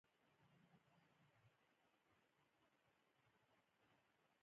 ټيپو سلطان وایي د زمري یوه ورځ د سل چغالو نه غوره ده.